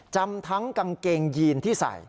จำทั้งกางเกงยีนที่ใส่